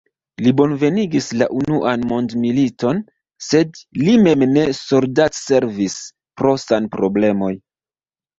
Li bonvenigis la unuan mondmiliton, sed li mem ne soldatservis pro sanproblemoj.